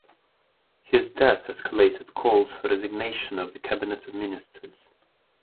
His death escalated calls for resignation of the Cabinet of Ministers.